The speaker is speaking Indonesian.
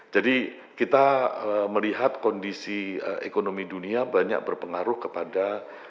jadi kita melihat kondisi ekonomi dunia banyak berpengaruh kepada